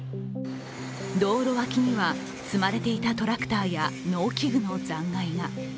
道路脇には積まれていたトラクターや農機具の残骸が。